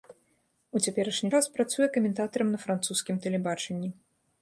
У цяперашні час працуе каментатарам на французскім тэлебачанні.